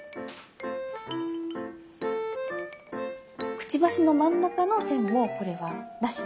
くちばしの真ん中の線もこれはなしで。